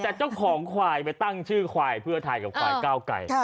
แต่เจ้าของควายไปตั้งชื่อควายเพื่อไทยกับควายก้าวไก่